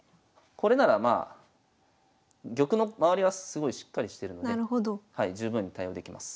これならまあ玉の周りはすごいしっかりしてるので十分に対応できます。